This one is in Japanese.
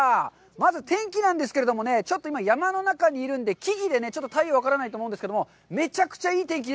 まず天気なんですけれどもね、ちょっと今、山の中にいるんで、木々で太陽は分からないと思うんですけど、めちゃくちゃいい天気が。